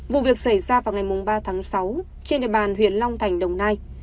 vụ việc xảy ra vào ngày ba tháng sáu trên địa bàn huyện long thành đồng nai